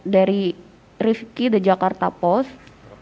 dari rifki the jakarta post